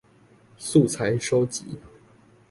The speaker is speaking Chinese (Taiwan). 素材蒐集